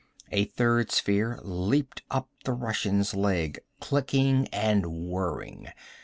A third sphere leaped up the Russian's leg, clicking and whirring.